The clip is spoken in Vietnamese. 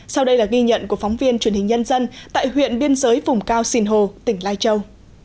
sau đây là ghi nhận của phóng viên truyền hình nhân dân tại huyện biên giới vùng cao sinh hồ tỉnh lai châu